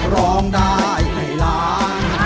ร้องได้ให้ล้าน